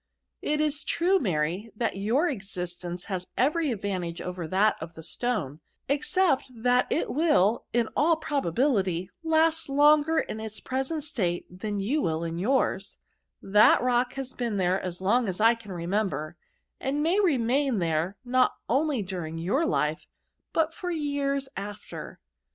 '^ It is true, Mary, that your existence has every advantage over that of the stone, ex cept that it will in all probability last longer in its present state than you will in yours ; that rock has been there as long as I can re member, and may remain there not only during your life, but for years after."